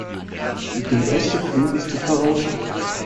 Der erste Punkt ist die Voraussicht.